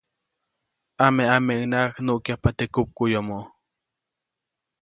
Ameʼameʼuŋnaʼajk nuʼkyajpa teʼ kupmuʼyomo.